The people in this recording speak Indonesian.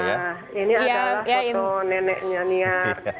ini ada foto neneknya daniar